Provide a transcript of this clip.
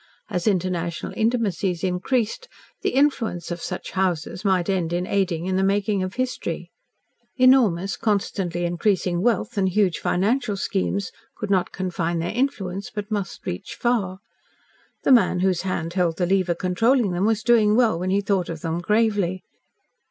As international intimacies increased, the influence of such houses might end in aiding in the making of history. Enormous constantly increasing wealth and huge financial schemes could not confine their influence, but must reach far. The man whose hand held the lever controlling them was doing well when he thought of them gravely.